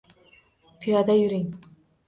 Piyoda yuring.